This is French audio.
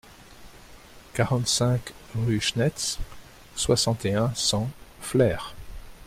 quarante-cinq rue Schnetz, soixante et un, cent, Flers